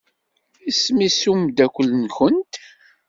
Isem-is umeddakel-nkent?